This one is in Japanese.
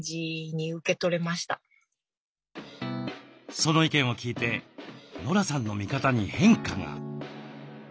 その意見を聞いてノラさんの見方に変化が。